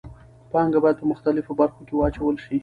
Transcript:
پانګه باید په مختلفو برخو کې واچول شي.